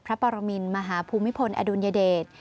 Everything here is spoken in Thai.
ปรมินมหาภูมิพลอดุลยเดช